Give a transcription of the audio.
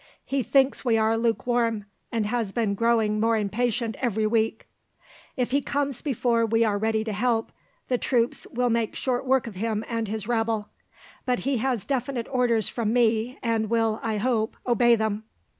He thinks we are lukewarm, and has been growing more impatient every week." "If he comes before we are ready to help, the troops will make short work of him and his rabble. But he has definite orders from me and will, I hope, obey them."